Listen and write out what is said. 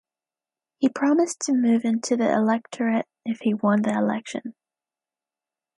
He promised to move into the electorate if he won the election.